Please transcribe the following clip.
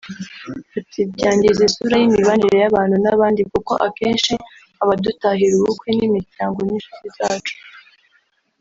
Ati “Byangiza isura y’imibanire y’abantu n’abandi kuko akenshi abadutahira ubukwe ni imiryango n’inshuti zacu